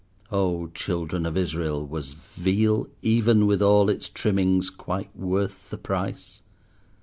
Oh! Children of Israel, was Veal, even with all its trimmings, quite worth the price?